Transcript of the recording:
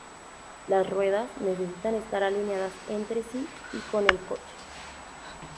Las ruedas necesitan estar alineadas entre sí y con el coche.